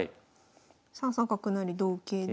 ３三角成同桂で。